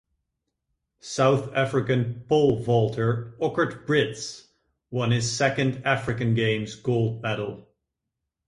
South African pole vaulter Okkert Brits won his second African Games gold medal.